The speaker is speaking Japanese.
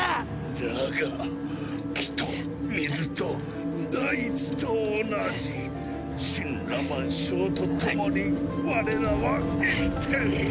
だが木と水と大地と同じ森羅万象と共に我らは生きている。